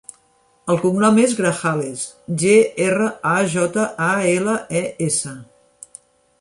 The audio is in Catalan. El cognom és Grajales: ge, erra, a, jota, a, ela, e, essa.